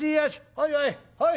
「はいはいはい。